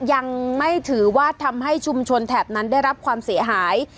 ยังไม่ถือว่าทำให้ชุมชนแถบนั้นได้รับความเสียหาย